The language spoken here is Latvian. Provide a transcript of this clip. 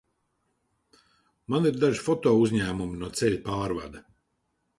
Man ir daži fotouzņēmumi no ceļa pārvada.